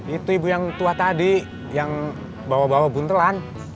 itu ibu yang tua tadi yang bawa bawa buntelan